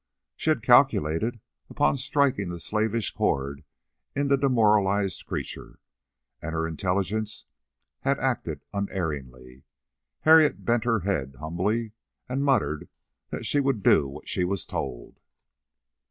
She had calculated upon striking the slavish chord in the demoralized creature, and her intelligence had acted unerringly. Harriet bent her head humbly, and muttered that she would do what she was told.